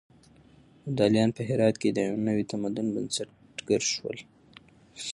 ابداليان په هرات کې د يو نوي تمدن بنسټګر شول.